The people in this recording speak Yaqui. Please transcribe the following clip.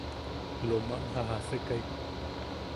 Lomam jajasekai.